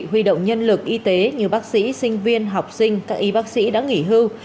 huy động nhân lực y tế như bác sĩ sinh viên học sinh các y bác sĩ đã nghỉ hưu